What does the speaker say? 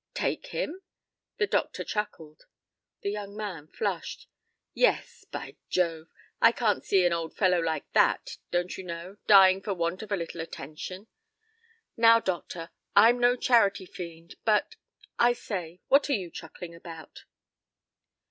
"Take him?" the doctor chuckled. The young man flushed, "Yes. Bah Jove! I can't see an old fellow like that, don't you know, dying for want of a little attention. Now, doctor, I'm no charity fiend, but I say, what are you chuckling about?"